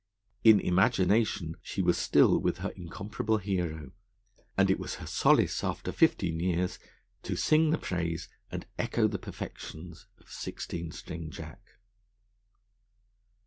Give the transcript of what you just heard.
In imagination she was still with her incomparable hero, and it was her solace, after fifteen years, to sing the praise and echo the perfections of Sixteen String Jack.